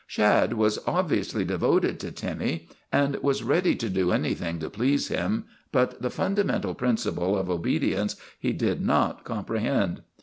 Shad was obviously devoted to Timmy and was THE REGENERATION OF TIMMY 203 ready to do anything to please him, but the funda mental principle of obedience he did not compre hend.